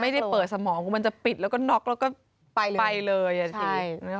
ไม่ได้เปิดสมองก็มันจะปิดแล้วก็น็อกแล้วก็ไปเลยอย่างนี้